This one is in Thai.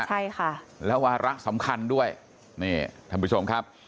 ใช่ค่ะแล้ววาระสำคัญด้วยนี่ท่านผู้ชมครับ